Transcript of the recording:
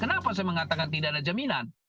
kenapa saya mengatakan tidak ada jaminan